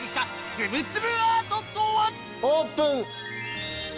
オープン！